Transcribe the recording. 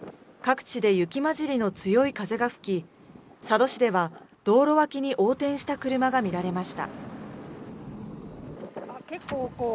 各地で雪まじりの強い風が吹き、佐渡市では道路脇に横転した車が見られました。